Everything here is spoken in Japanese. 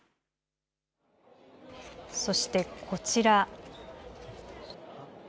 そしてこちら。